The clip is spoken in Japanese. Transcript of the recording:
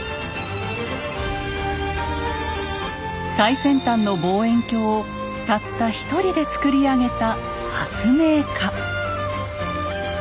最先端の望遠鏡をたった一人で作り上げた発明家。